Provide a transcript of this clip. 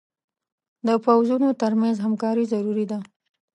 د پوځونو تر منځ همکاري ضروري ده.